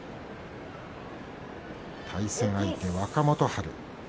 対戦相手、若元春。